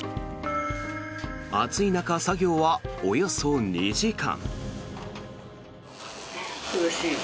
暑い中、作業はおよそ２時間。